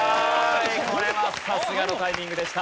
これはさすがのタイミングでした。